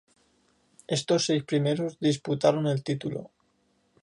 Estos seis primeros disputaron el título.